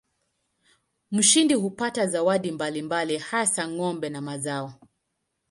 Mshindi hupata zawadi mbalimbali hasa ng'ombe na mazao.